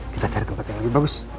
kita cari tempat yang lebih bagus